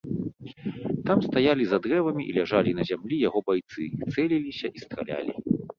Там стаялі за дрэвамі і ляжалі на зямлі яго байцы, цэліліся і стралялі.